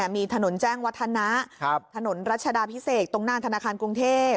มีถนนแจ้งวัฒนะถนนรัชดาพิเศษตรงหน้าธนาคารกรุงเทพ